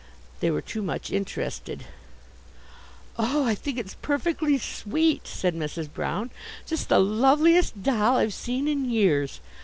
They were too much interested. "Oh, I think it's perfectly sweet," said Mrs. Brown. "Just the loveliest doll I've seen in years.